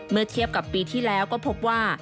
เมื่อเทียบกับปีที่แล้วก็พบว่า